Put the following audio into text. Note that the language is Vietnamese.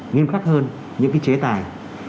nghiêm khắc hơn những cái chế tài